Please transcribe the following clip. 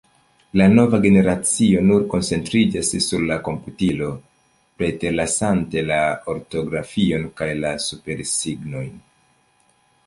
La nova generacio nur koncentriĝas sur la komputilon, preterlasante la ortografion kaj la supersignojn.